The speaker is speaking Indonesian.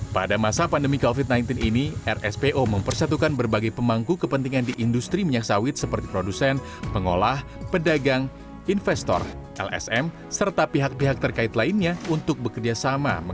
pada masa pandemi covid sembilan belas ini rspo mempersatukan berbagai pemangku kepentingan di industri minyak sawit seperti produsen pengolah pedagang investor lsm serta pihak pihak terkait lainnya untuk bekerja sama